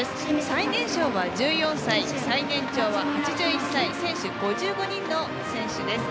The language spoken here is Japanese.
最年少は１４歳、最年長は８１歳選手５５人の選手です。